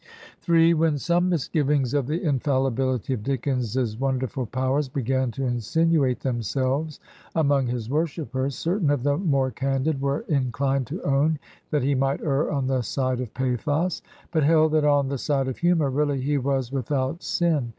m When some misgivings of the infallibility of Dickens's wonderful powers began to insinuate themselves among his worshippers, certain of the more candid were in clined to own that he might err on the side of pathos, but held that on the side of himior really he was without sin.